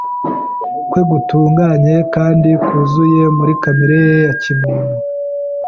kwe gutunganye kandi kuzuye muri kamere ye ya kimuntu,